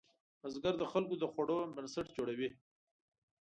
بزګر د خلکو د خوړو بنسټ جوړوي